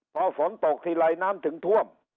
พอฝนตกทีไรน้ำถึงท่วม